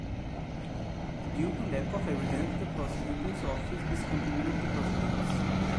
Due to lack of evidence, the Prosecutor's Office discontinued the proceedings.